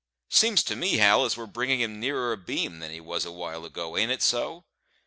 Seems to me, Hal, as we're bringing him nearer abeam than he was a while ago; ain't it so?"